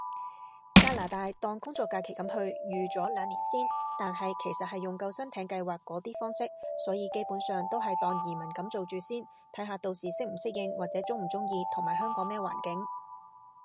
加拿大，當工作假期噉去，預住兩年先，但係其實係用救生艇計劃嗰啲方式，所以基本上都係當移民噉做住先，睇下到時適唔適應，或者中唔中意，同埋香港咩環境